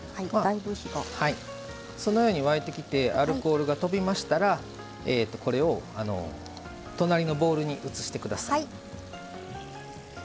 そのように沸いてきてアルコールがとびましたら隣のボウルに移してください。